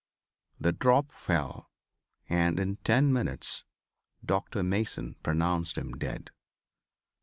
The drop fell and in ten minutes Dr. Mason pronounced him dead.